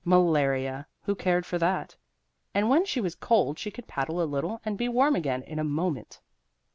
Malaria who cared for that? And when she was cold she could paddle a little and be warm again in a moment.